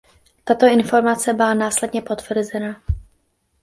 Tato informace byla následně potvrzena.